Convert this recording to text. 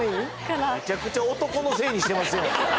めちゃくちゃ男のせいにしてますやん。